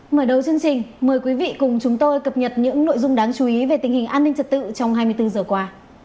mở đầu chương trình mời quý vị cùng chúng tôi cập nhật những nội dung đáng chú ý về tình hình an ninh trật tự trong hai mươi bốn giờ qua